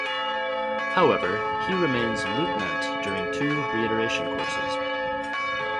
However, he remains "Leutnant" during two reiteration courses.